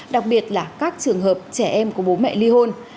đặc biệt là các trường hợp trẻ em có bố mẹ ly hôn